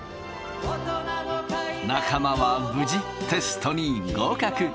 仲間は無事テストに合格。